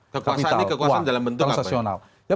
kekuasaan ini dalam bentuk apa